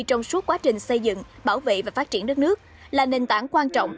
trong suốt quá trình xây dựng bảo vệ và phát triển đất nước là nền tảng quan trọng